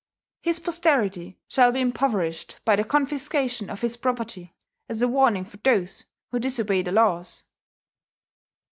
His posterity shall be impoverished by the confiscation of his property, as a warning for those who disobey the laws."